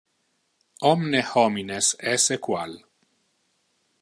Omne homines es equal.